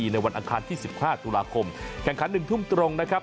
ในวันอังคารที่๑๕ตุลาคมแข่งขัน๑ทุ่มตรงนะครับ